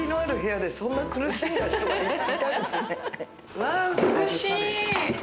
うわ美しい！